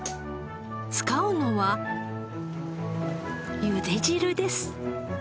使うのはゆで汁です。